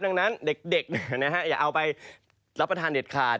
ดังนั้นเด็กอย่าเอาไปรับประทานเด็ดขาด